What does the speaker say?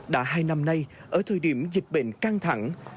đã hai năm nay ở thời điểm dịch bệnh căng thẳng